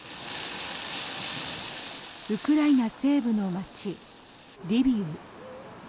ウクライナ西部の街リビウ。